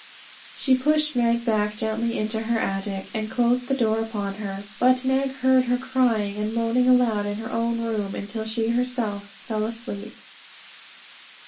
She pushed Meg back gently into her attic, and closed the door upon her; but Meg heard her crying and moaning aloud in her own room, until she herself fell asleep.